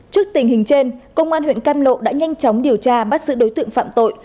trước tình hình trên công an huyện cam lộ đã nhanh chóng điều tra bắt giữ đối tượng phạm tội